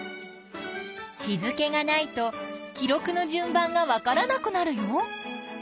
日付がないと記録の順番がわからなくなるよ。